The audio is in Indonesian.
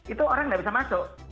itu orang nggak bisa masuk